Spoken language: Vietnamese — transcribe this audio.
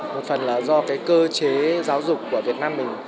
một phần là do cái cơ chế giáo dục của việt nam mình